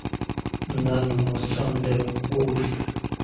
His mother Helen was a shoe designer.